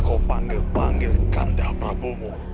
kau panggil panggilkan dhaplabumu